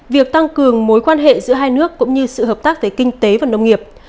việc tăng cường mối quan hệ giữa hai nước cũng như sự hợp tác về kinh tế và nông nghiệp